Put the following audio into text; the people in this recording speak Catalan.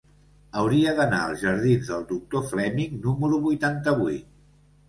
Hauria d'anar als jardins del Doctor Fleming número vuitanta-vuit.